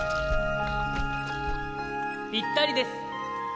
ぴったりです。